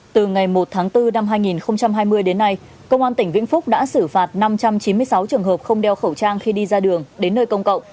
từ ngày một tháng bốn năm hai nghìn hai mươi đến nay công an tỉnh vĩnh phúc đã xử phạt năm trăm chín mươi sáu trường hợp không đeo khẩu trang khi đi ra đường đến nơi công cộng